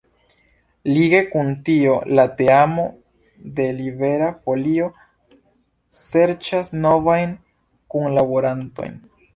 Lige kun tio, la teamo de Libera Folio serĉas novajn kunlaborantojn.